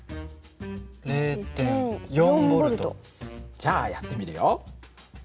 じゃあやってみるよ。